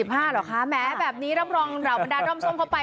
เหรอคะแม้แบบนี้รับรองเหล่าบรรดาด้อมส้มเข้าไป